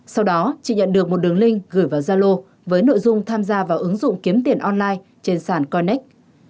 sau đó chỉ nhận được một đường link gửi vào gia lô với nội dung tham gia vào ứng dụng kiếm tiền online trên sản connect